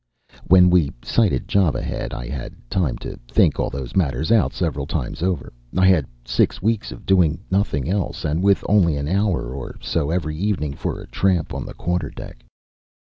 "When we sighted Java Head I had had time to think all those matters out several times over. I had six weeks of doing nothing else, and with only an hour or so every evening for a tramp on the quarter deck."